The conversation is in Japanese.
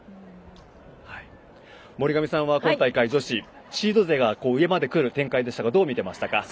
森上さんは今大会女子、シード勢が上まで来る展開でしたがどう見てましたか？